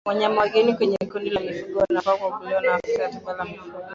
Wanyama wageni kwenye kundi la mifugo wanafaa kukaguliwa na afisa wa tiba ya mifugo